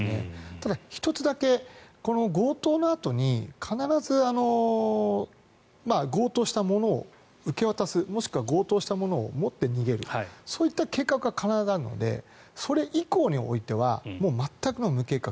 ただ、１つだけこの強盗のあとに必ず強盗したものを受け渡すあるいは強盗したものを持って逃げるそういった計画が必ずあるのでそれ以降においては全くの無計画。